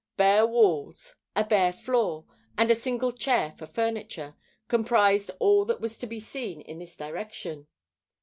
Bare walls, a bare floor, and a single chair for furniture, comprised all that was to be seen in this direction.